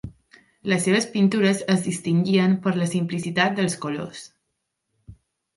Les seves pintures es distingien per la simplicitat dels colors.